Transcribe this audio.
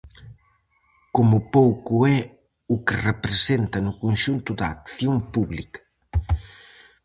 Como pouco é o que representa no conxunto da acción pública.